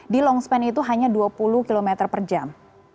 di longspan itu hanya dua puluh km per jam